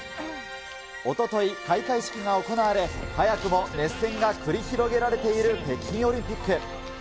おととい、開会式が行われ、早くも熱戦が繰り広げられている北京オリンピック。